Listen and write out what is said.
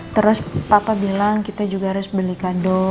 terus papa bilang kita juga harus beli kado